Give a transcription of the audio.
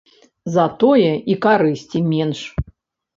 Затое і карысці менш.